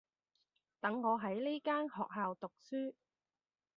等我喺呢間學校讀書